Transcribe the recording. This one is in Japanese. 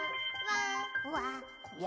「わ！」